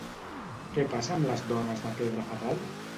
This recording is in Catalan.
Què passa amb les dones de Pedra-Ferral?